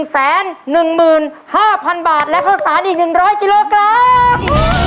๑แสน๑หมื่น๕พันบาทและเข้าสารอีก๑๐๐กิโลกรัม